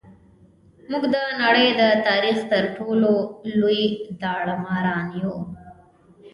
موږ د نړۍ د تاریخ تر ټولو لوی داړه ماران یو.